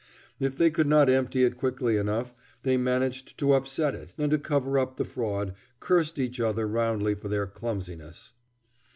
If they could not empty it quickly enough, they managed to upset it, and, to cover up the fraud, cursed each other roundly for their clumsiness.